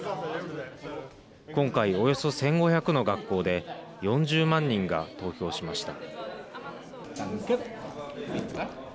今回およそ１５００の学校で４０万人が投票しました。